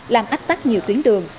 làm ách tắt nhiều tuyến đường